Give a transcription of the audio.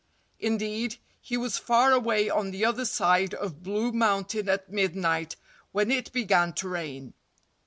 Indeed, he was far away on the other side of Blue Mountain at midnight, when it began to rain.